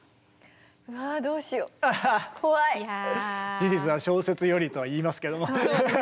事実は小説よりとは言いますけども。